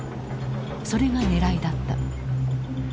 それがねらいだった。